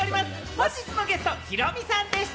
本日のゲスト、ヒロミさんでした！